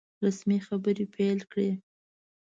رسمي خبري پیل کړې.